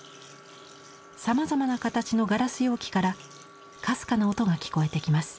さまざまな形のガラス容器からかすかな音が聞こえてきます。